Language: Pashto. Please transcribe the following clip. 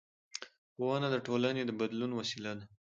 ښوونه د ټولنې د بدلون وسیله ده